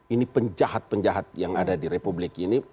ini penjahat penjahat yang ada di republik ini